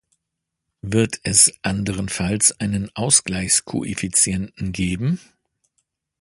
Wird es anderenfalls einen Ausgleichskoeffizienten geben?